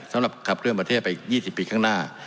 สำหรับขับเคลื่อนประเทศไป๒๐ปีข้างหน้า